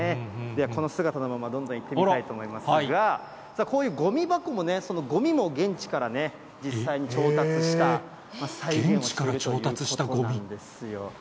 この姿のまま、どんどん行ってみたいと思いますが、こういうごみ箱もね、そのごみも現地から実際に調達した、再現をしているということなんですよ。